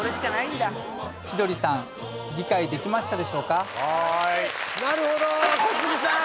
千鳥さん理解できましたでしょうか小杉さん